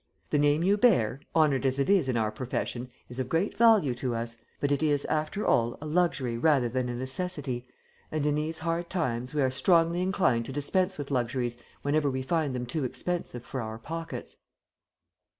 The name you bear, honoured as it is in our profession, is of great value to us: but it is, after all, a luxury rather than a necessity, and in these hard times we are strongly inclined to dispense with luxuries whenever we find them too expensive for our pockets."